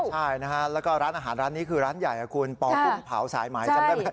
ใช่แล้วก็ร้านอาหารร้านนี้คือร้านใหญ่คุณปกุ้มเผาสายไหม